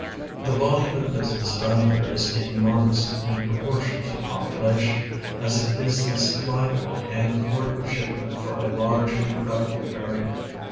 The volume of business done there is enormous in jiroportion to the jiopulation, as it is the supply iioint and the })ort of shipment for a large and productive area.